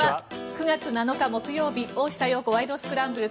９月７日、木曜日「大下容子ワイド！スクランブル」。